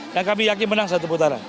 dan kami yakin menang satu putaran